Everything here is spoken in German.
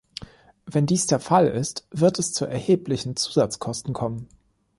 Wenn dies der Fall ist, wird es zu erheblichen Zusatzkosten kommen.